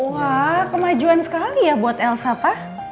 wah kemajuan sekali ya buat elsa pak